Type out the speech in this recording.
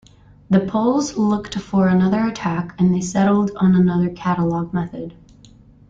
The Poles looked for another attack, and they settled on another catalog method.